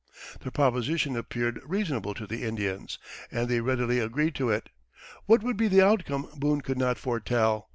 The proposition appeared reasonable to the Indians, and they readily agreed to it. What would be the outcome Boone could not foretell.